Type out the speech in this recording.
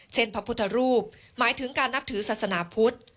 พระพุทธรูปหมายถึงการนับถือศาสนาพุทธ